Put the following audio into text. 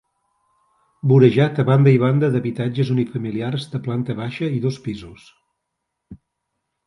Vorejat a banda i banda d'habitatges unifamiliars de planta baixa i dos pisos.